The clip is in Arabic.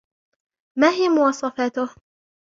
ما هي مواصفاته؟